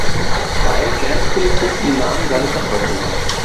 Zwei Grenzpolizisten nahmen seine Verfolgung auf.